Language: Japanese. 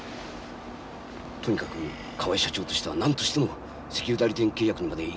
とにかく河合社長としては何としても石油代理店契約にまでいきたいと思ってます。